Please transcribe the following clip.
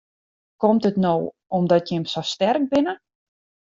Komt it no omdat jim sa sterk binne?